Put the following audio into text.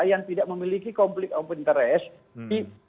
yang tidak memiliki konflik of interest